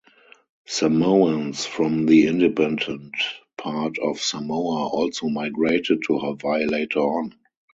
Samoans from the independent part of Samoa also migrated to Hawaii later on.